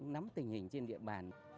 nắm tình hình trên địa bàn